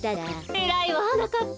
えらいわはなかっぱ。